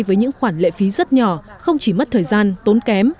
với những khoản lệ phí rất nhỏ không chỉ mất thời gian tốn kém